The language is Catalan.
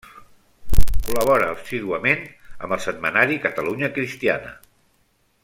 Col·labora assíduament amb el setmanari Catalunya Cristiana.